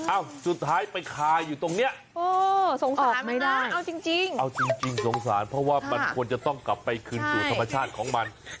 อ้าวสุดท้ายไปคายอยู่ตรงเนี่ย